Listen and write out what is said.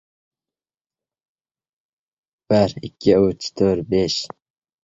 “O‘rikzor” bozorida koronavirus chiqqan sotuvchining farzandlarida ham infektsiya aniqlandi